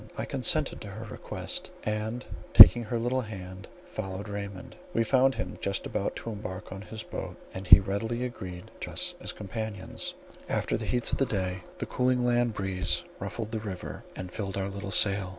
I consented to her request, and taking her little hand, followed Raymond. We found him just about to embark in his boat, and he readily agreed to receive us as companions. After the heats of the day, the cooling land breeze ruffled the river, and filled our little sail.